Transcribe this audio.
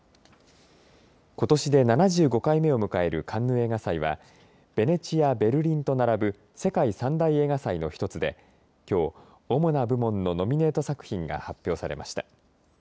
ことしで７５回目を迎えるカンヌ映画祭はベネチア、ベルリンと並ぶ世界３大映画祭の１つできょう、主な部門のノミネート作品が発表されました。